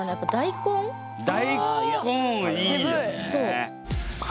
大根いいよね。